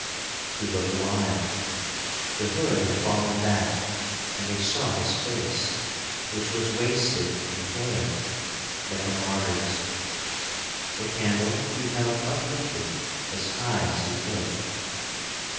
He looked wild. The hood had fallen back and they saw his face, which was wasted and pale, like a martyr's. The candle he held uplifted as high as he could.